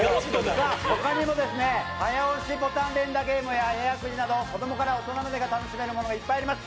他にも早押しボタン連打ゲームやエアーくじなど子供から大人まで楽しめるものがいっぱいあります。